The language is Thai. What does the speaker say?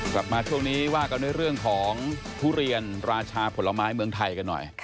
กลับมาช่วงนี้ว่ากันด้วยเรื่องของทุเรียนราชาผลไม้เมืองไทยกันหน่อย